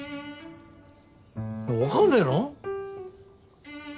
わかんねえの！？